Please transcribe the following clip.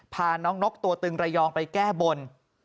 พาน้องนกตัวตึงระยองไปแก้บน